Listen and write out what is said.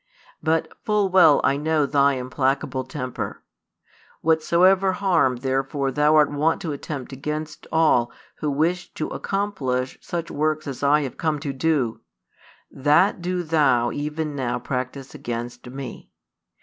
But full well I know thy implacable temper. Whatsoever harm therefore thou art wont to attempt against all who wish to accomplish such works as I have come to do, that do thou even now practise against Me.